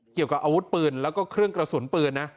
เกี่ยวกับอาวุธปืนแล้วก็เครื่องกระสุนปืนนะ